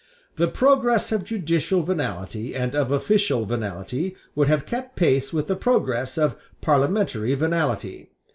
The progress of judicial venality and of official venality would have kept pace with the progress of parliamentary venality.